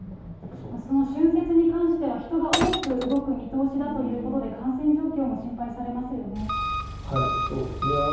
その春節に関しては人が多く動く見通しだということで、感染そうですね。